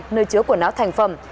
nơi chứa quần áo thành phẩm